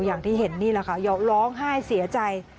อย่างที่เห็นนี่แหละค่ะร้องไห้เสียใจ